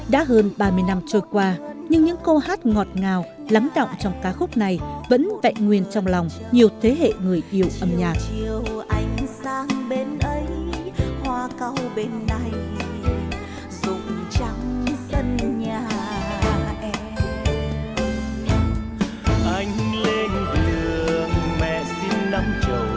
đã hơn ba mươi năm trôi qua nhưng những câu hát ngọt ngào lắng đọng trong ca khúc này vẫn vẹn nguyên trong lòng nhiều thế hệ người yêu âm nhạc